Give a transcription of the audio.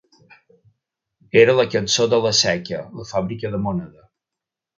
Era la cançó de la Seca, la fàbrica de moneda